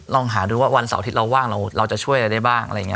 ลองหาดูว่าวันเสาร์อาทิตย์เราว่างเราจะช่วยอะไรได้บ้าง